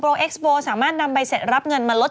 และกาทั้งน์โฮมโปรอยน์แอลจ์โปร่วม๕๗